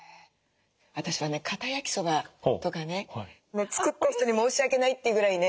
私はねかた焼きそばとかね作った人に申し訳ないっていうぐらいね